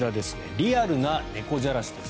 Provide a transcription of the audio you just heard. リアルな猫じゃらしです。